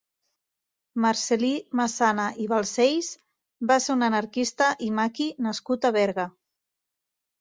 Marcel·lí Massana i Balcells va ser un anarquista i maqui nascut a Berga.